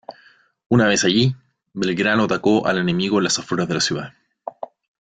Una vez allí, Belgrano atacó al enemigo en las afueras de la ciudad.